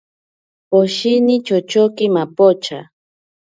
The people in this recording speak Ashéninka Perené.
Poshini chochoki mapocha.